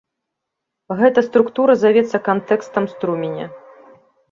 Гэта структура завецца кантэкстам струменя.